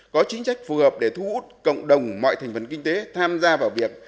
có chính trách phù hợp để thu hút cộng đồng mọi thành phần kinh tế tham gia vào việc